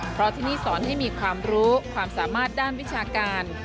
เพราะที่นี่สอนให้มีความรู้ความสามารถด้านวิชาการ